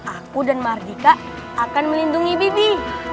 aku dan mardika akan melindungi bibi